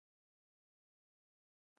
د همکارۍ روح ټولنه ژوندۍ ساتي.